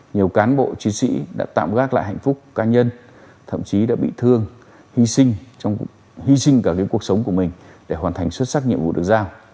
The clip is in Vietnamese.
nhiều cán bộ chiến sĩ đã tạm gác lại hạnh phúc cá nhân thậm chí đã bị thương hy sinh trong hy sinh cả cuộc sống của mình để hoàn thành xuất sắc nhiệm vụ được giao